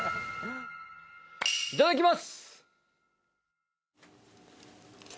いただきます！